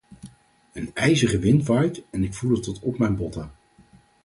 Een ijzige wind waait, en ik voel het tot op mijn botten.